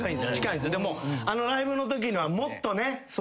あのライブのときのはもっとね。